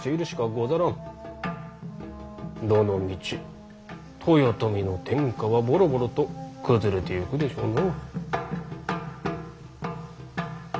どのみち豊臣の天下はボロボロと崩れてゆくでしょうな。